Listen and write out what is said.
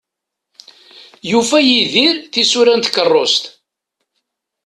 Yufa Yidir tisura n tkerrust.